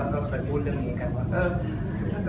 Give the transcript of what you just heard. เคยพูดเรื่องนี้กันว่า